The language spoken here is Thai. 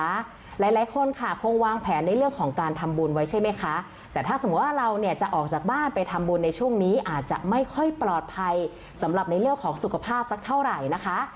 หลายหลายคนค่ะคงวางแผนในเรื่องของการทำบุญไว้ใช่ไหมคะแต่ถ้าสมมุติว่าเราเนี่ยจะออกจากบ้านไปทำบุญในช่วงนี้อาจจะไม่ค่อยปลอดภัยสำหรับในเรื่องของสุขภาพสักเท่าไหร่นะคะ